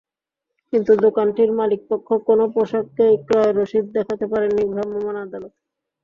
কিন্তু দোকানটির মালিকপক্ষ কোনো পোশাকেরই ক্রয় রসিদ দেখাতে পারেননি ভ্রাম্যমাণ আদালতকে।